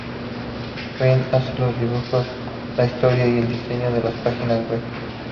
Fred hace los dibujos, la historia y el diseño de la página web.